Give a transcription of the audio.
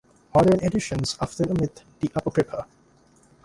Modern editions often omit the Apocrypha.